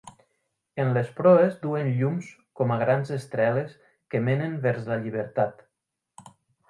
En les proes duen llums com a grans estreles que menen vers la llibertat.